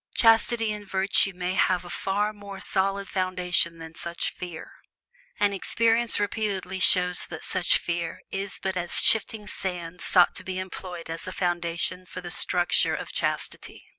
Chastity and virtue must have a far more solid foundation than such fear; and experience repeatedly shows that such fear is but as shifting sand sought to be employed as a foundation for the structure of chastity.